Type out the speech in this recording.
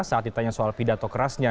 saat ditanya soal pidato kerasnya